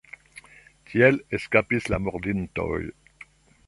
Tiel eskapis la murdintoj.